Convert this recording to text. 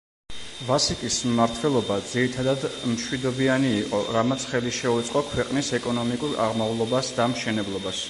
ვასაკის მმართველობა, ძირითადად მშვიდობიანი იყო, რამაც ხელი შეუწყო ქვეყნის ეკონომიკურ აღმავლობას და მშენებლობას.